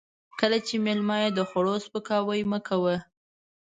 کله چې مېلمه يې د خوړو سپکاوی مه کوه.